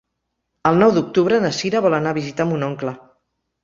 El nou d'octubre na Cira vol anar a visitar mon oncle.